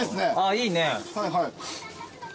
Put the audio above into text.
いいね。